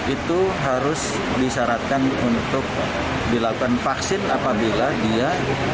itu harus disyaratkan untuk dilakukan vaksin apabila dia